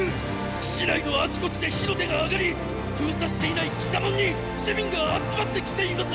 市内のあちこちで火の手が上がり封鎖していない北門に市民が集まってきています！